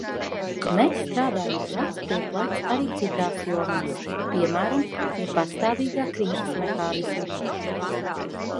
Mēs strādājam plecu pie pleca arī citās jomās, piemēram, pie pastāvīgā krīzes mehānisma.